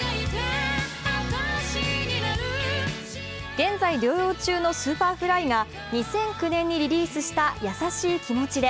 現在療養中のＳｕｐｅｒｆｌｙが２００９年にリリースした「やさしい気持ちで」。